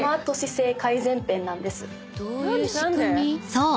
［そう。